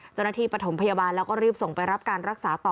เจ้าหน้าที่ประถมพยาบาลแล้วก็รีบส่งไปรับการรักษาต่อ